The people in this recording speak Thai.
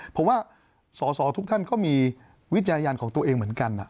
เพราะว่าสอสอทุกท่านก็มีวิจารณญาณของตัวเองเหมือนกัน